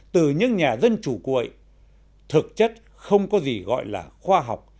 từ những nhà dân chủ cuội thực chất không có gì gọi là khoa học